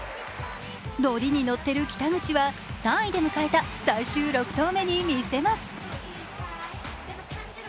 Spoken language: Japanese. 乗りに乗ってる北口は３位で迎えた最終６投目に見せます。